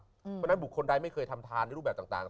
เพราะฉะนั้นบุคคลใดไม่เคยทำทานในรูปแบบต่าง